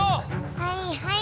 はいはい。